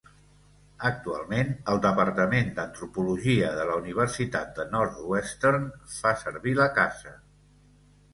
Actualment, el Departament d'Antropologia de la Universitat de Northwestern fa servir la casa.